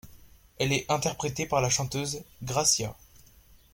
Elle est interprétée par la chanteuse Gracia.